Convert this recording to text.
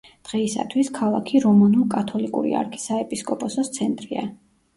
დღეისათვის, ქალაქი რომანულ-კათოლიკური არქისაეპისკოპოსოს ცენტრია.